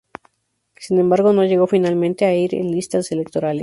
Sin embargo, no llegó finalmente a ir en las listas electorales.